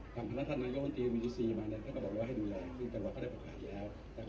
คำพันธนโยคตีวิทยุซีมาเนี่ยเขาก็บอกว่าให้ดูแลแต่ว่าก็ได้ประกาศแล้ว